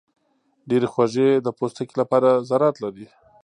ډېرې خوږې د پوستکي لپاره ضرر لري.